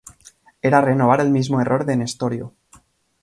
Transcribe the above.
Era renovar el mismo error de Nestorio.